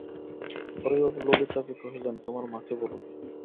পরেশবাবু ললিতাকে কহিলেন, তোমার মাকে বলো গে।